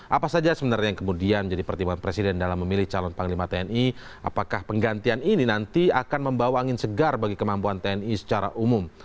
apa saja sebenarnya yang kemudian menjadi pertimbangan presiden dalam memilih calon panglima tni apakah penggantian ini nanti akan membawa angin segar bagi kemampuan tni secara umum